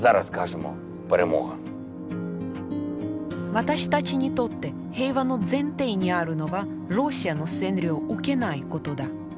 私たちにとって平和の前提にあるのはロシアの占領を受けないことだ。